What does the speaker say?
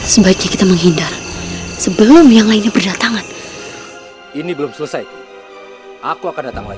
sebaiknya kita menghindar sebelum yang lainnya berdatangan ini belum selesai aku akan datang lagi